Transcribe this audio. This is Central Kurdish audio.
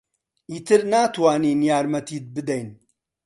ئیتر ناتوانین یارمەتیت بدەین.